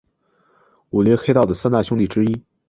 武林黑道的三大凶地之一。